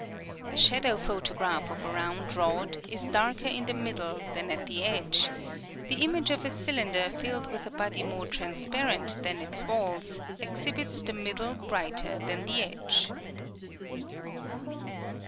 The shadow photograph of a round rod is darker in the middle than at the edge ; the image of a cylinder filled with a body more transparent than its walls ex hibits the middle brighter than the edge.